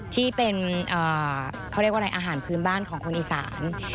ที่เป็นเขาเรียกว่าอะไรอาหารพื้นบ้านของคนอีสาน